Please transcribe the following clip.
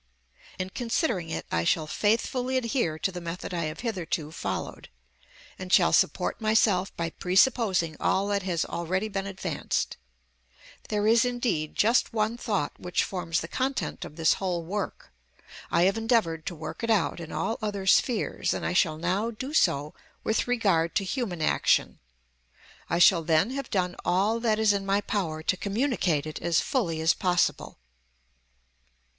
In considering it I shall faithfully adhere to the method I have hitherto followed, and shall support myself by presupposing all that has already been advanced. There is, indeed, just one thought which forms the content of this whole work. I have endeavoured to work it out in all other spheres, and I shall now do so with regard to human action. I shall then have done all that is in my power to communicate it as fully as possible.